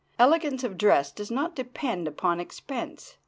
Elegance of dress does not depend upon expense.